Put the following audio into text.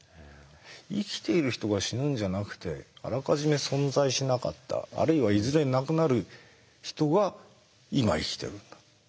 生きている人が死ぬんじゃなくてあらかじめ存在しなかったあるいはいずれ亡くなる人が今生きてるんだって。